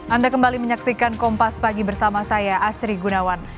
anda kembali menyaksikan kompas pagi bersama saya asri gunawan